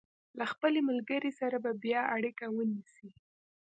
له خپلې ملګرې سره به بیا اړیکه ونیسي.